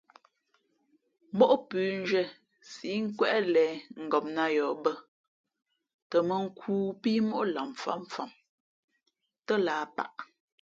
Móʼ pʉ̌nzhwīē síʼ nkwéʼ lěn ngopnāt yαα bᾱ tα mᾱ nkū pí móʼ lamfǎmfam tά lǎh paʼ.